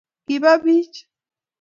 kiba biich